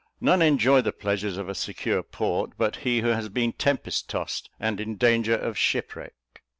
None enjoy the pleasures of a secure port, but he who has been tempest tossed, and in danger of shipwreck.